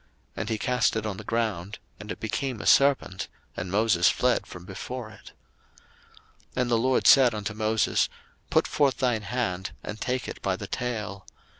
And he cast it on the ground, and it became a serpent; and Moses fled from before it. 02:004:004 And the LORD said unto Moses, Put forth thine hand, and take it by the tail.